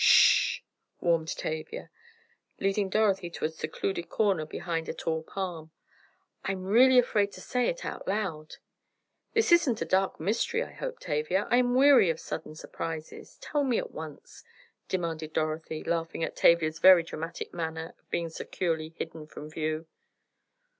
"Sh h h!" warned Tavia, leading Dorothy to a secluded corner behind a tall palm, "I'm really afraid to say it out loud!" "This isn't a dark mystery, I hope. Tavia, I'm weary of sudden surprises—tell me at once," demanded Dorothy, laughing at Tavia's very dramatic manner of being securely hidden from view.